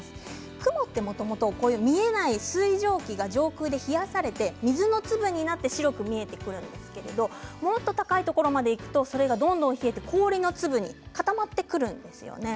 雲はもともと冷えない水蒸気が上空で冷やされ水の粒になって白く見えてくるんですけれどもっと高いところまでいくとどんどん冷えて氷の粒に固まってくるんですよね。